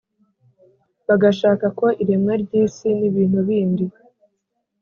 bagashaka ko iremwa ry’isi n’ibintu bindi